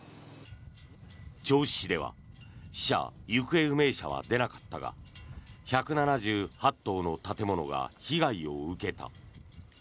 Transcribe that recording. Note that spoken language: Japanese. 銚子市では死者・行方不明者は出なかったが１７８棟の建物が被害を受けた。